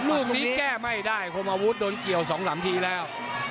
ลูกนี้แก้ไม่ได้คมอาวุธโดนเกี่ยว๒๓ทีแล้ว